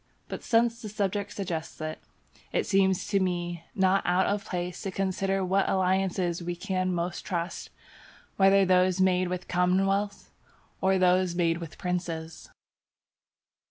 But since the subject suggests it, it seems to me not out of place to consider what alliances we can most trust, whether those made with commonwealths or those made with princes.